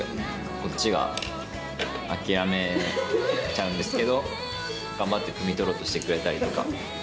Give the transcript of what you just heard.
こっちが諦めちゃうんですけど、頑張ってくみ取ろうとしてくれたりとか。